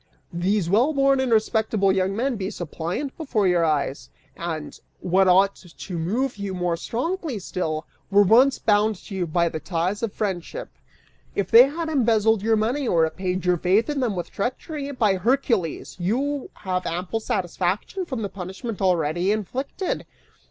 These well born and respectable young men be suppliant before your eyes and, what ought to move you more strongly still, were once bound to you by the ties of friendship. If they had embezzled your money or repaid your faith in them with treachery, by Hercules, you have ample satisfaction from the punishment already inflicted!